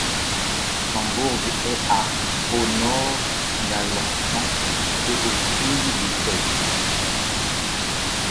Son bourg est à au nord d'Alençon et à au sud de Sées.